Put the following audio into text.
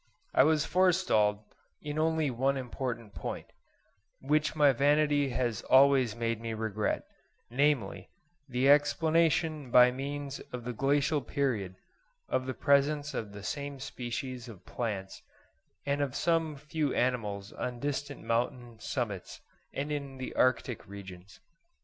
I was forestalled in only one important point, which my vanity has always made me regret, namely, the explanation by means of the Glacial period of the presence of the same species of plants and of some few animals on distant mountain summits and in the arctic regions.